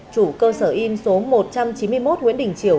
chủ cơ sở in số một trăm chín mươi một nguyễn đình triều